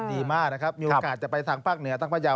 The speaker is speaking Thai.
ดีมากนะครับมีโอกาสจะไปทางภาคเหนือตั้งพระเจ้า